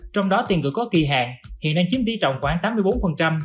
trong đó tiền gửi có kỳ hàng hiện nay chiếm tỷ trọng khoảng tám mươi bốn